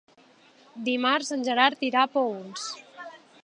Dimarts en Gerard irà a Paüls.